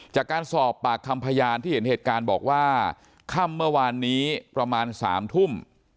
จากการสอบปากคำพยานที่เห็นเหตุการณ์บอกว่าค่ำเมื่อวานนี้ประมาณ๓ทุ่ม